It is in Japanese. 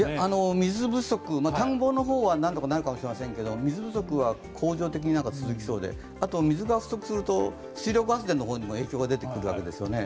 水不足、田んぼの方は何とかなるかもしれませんが、水不足は恒常的に続きそうで水が不足すると水力発電の方にも影響が出てくるわけですよね。